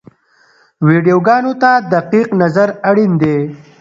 ویډیوګانو ته دقیق نظر اړین دی.